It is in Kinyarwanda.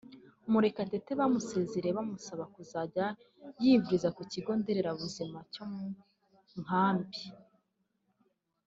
Murekatete baramusezereye bamusaba kuzajya yivuriza ku kigo nderabuzima cyo mu Nkambi